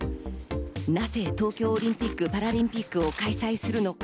なぜ東京オリンピック・パラリンピックを開催するのか。